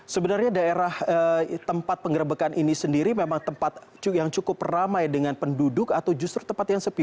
sebenarnya daerah tempat penggerbekan ini sendiri memang tempat yang cukup ramai dengan penduduk atau justru tempat yang sepi